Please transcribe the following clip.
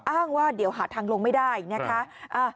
อ้างว่าเดี๋ยวหาทางลงไม่ได้นะคะ